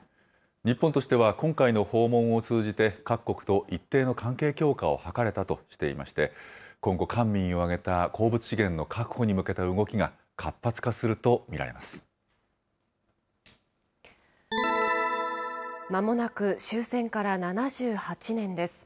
日本としては、今回の訪問を通じて、各国と一定の関係強化を図れたとしていまして、今後、官民を挙げた鉱物資源の確保に向けた動きが活発化すると見られままもなく終戦から７８年です。